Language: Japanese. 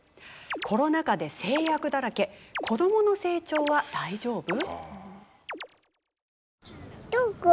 コロナ禍で制約だらけ子どもの成長は大丈夫？